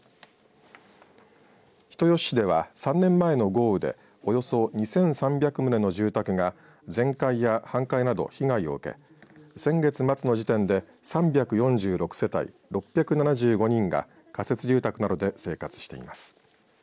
人吉市では３年前の豪雨でおよそ２３００棟の住宅が全壊や半壊など被害を受け先月末の時点で３４６世帯６７５人が仮設住宅などで生活しています。